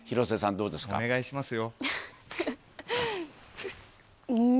お願いしますよ。